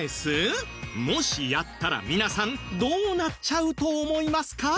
もしやったら皆さんどうなっちゃうと思いますか？